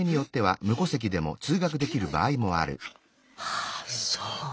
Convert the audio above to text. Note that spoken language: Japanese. あぁそう。